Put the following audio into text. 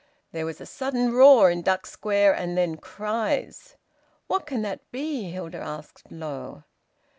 There was a sudden roar in Duck Square, and then cries. "What can that be?" Hilda asked, low.